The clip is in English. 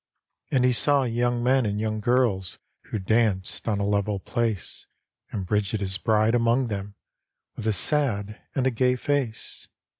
And he saw young men and young girb Who danced on a level place, And Bridget his bride among them, With a sad and a gay face.